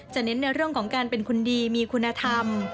เน้นในเรื่องของการเป็นคนดีมีคุณธรรม